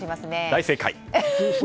大正解！